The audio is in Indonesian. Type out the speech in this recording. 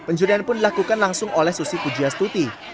penjurian pun dilakukan langsung oleh susi pujia stuti